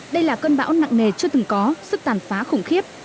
đây là cơn bão nặng nề chưa từng có sức tàn phá khủng khiếp